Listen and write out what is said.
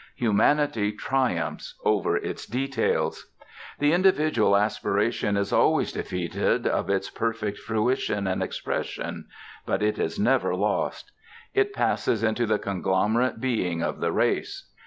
Humanity triumphs over its details. The individual aspiration is always defeated of its perfect fruition and expression, but it is never lost; it passes into the conglomerate being of the race.